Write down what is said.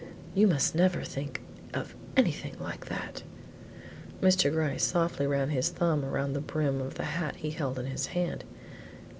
"You must never think of anything like that." Mr. Gryce softly ran his thumb around the brim of the hat he held in his hand.